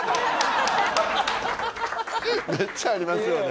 めっちゃありますよね。